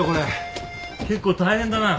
結構大変だな。